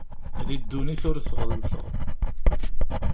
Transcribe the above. Di ddunit ur t-ɣellteɣ.